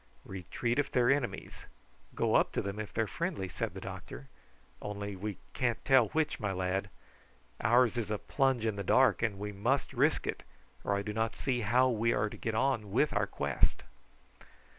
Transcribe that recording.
"Retreat if they are enemies; go up to them if they are friendly," said the doctor; "only we can't tell which, my lad. Ours is a plunge in the dark, and we must risk it, or I do not see how we are to get on with our quest."